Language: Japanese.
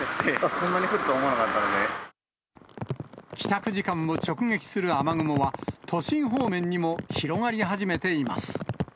こんなに降るとは思わなかったん帰宅時間を直撃する雨雲は、都心方面にも広がり始めています。